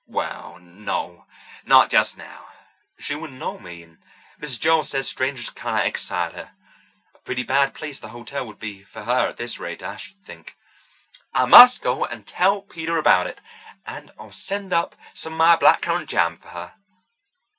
"Well, no, not just now. She wouldn't know me, and Mrs. Joel says strangers kind of excite her—a pretty bad place the hotel would be for her at that rate, I should think. I must go and tell Peter about it, and I'll send up some of my black currant jam for her."